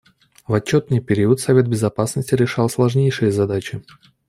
В отчетный период Совет Безопасности решал сложнейшие задачи.